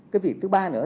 cái việc thứ ba nữa